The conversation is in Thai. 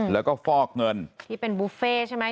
แล้วก็ฟอกเงินที่เป็นบุฟเฟ่ใช่ไหม